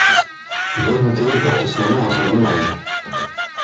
Redouté portent son nom en son hommage.